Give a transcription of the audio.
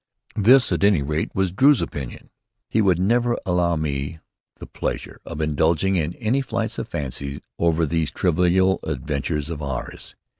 This, at any rate, was Drew's opinion. He would never allow me the pleasure of indulging in any flights of fancy over these trivial adventures of ours.